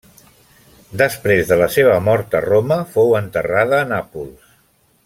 Després de la seva mort, a Roma, fou enterrada a Nàpols.